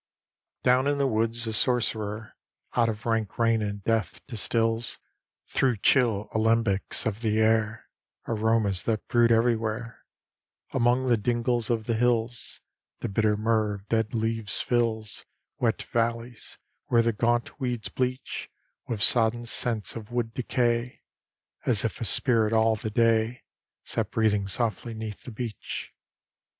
XXXVII Down in the woods a sorcerer, Out of rank rain and death, distils, Through chill alembics of the air, Aromas that brood everywhere Among the dingles of the hills: The bitter myrrh of dead leaves fills Wet valleys (where the gaunt weeds bleach) With sodden scents of wood decay; As if a spirit all the day Sat breathing softly 'neath the beech.